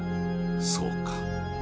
そうか！